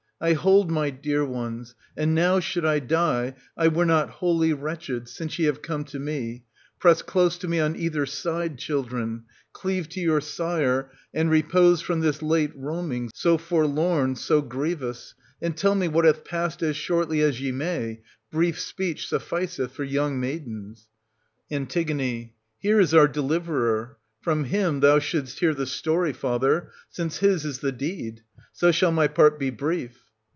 I hold my dear ones; and now, should I die, I were not wholly wretched, since ye have come to me. mo Press close to' me on either side, children, cleave to your sire, and repose from this late roaming, so forlorn, so grievous ! And tell me what hath passed as shortly as ye may ; brief speech sufficeth for young maidens. An. Here is our deliverer : from him thou shouldst hear the story, father, since his is the deed; so shall my part be brief.